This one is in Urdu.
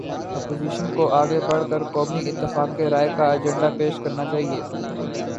اپوزیشن کو آگے بڑھ کر قومی اتفاق رائے کا ایجنڈا پیش کرنا چاہیے۔